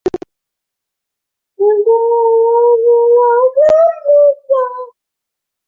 期间苏格兰归属有波动。